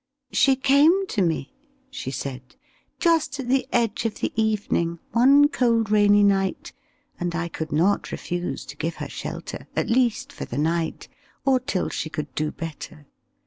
"She came to me," she said, "just at the edge of the evening, one cold rainy night, and I could not refuse to give her shelter, at least for the night, or till she could do better.